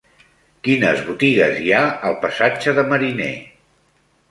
Quines botigues hi ha al passatge de Mariné?